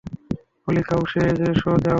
হলি cow, সো জাও!